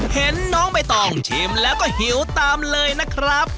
เห็นน้องใบตองชิมแล้วก็หิวตามเลยนะครับ